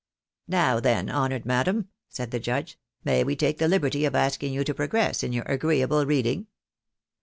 135 "Now then, honoured madam," said the judge, "may we take the Uberty of asking you to progress iu your agreeable reading